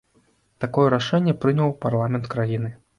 Такое рашэнне прыняў парламент краіны.